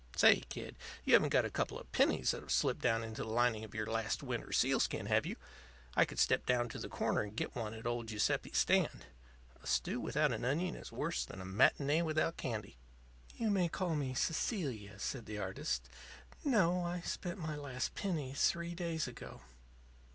Say, kid, you haven't got a couple of pennies that've slipped down into the lining of your last winter's sealskin, have you? I could step down to the corner and get one at old Giuseppe's stand. A stew without an onion is worse'n a matin├®e without candy." "You may call me Cecilia," said the artist. "No; I spent my last penny three days ago."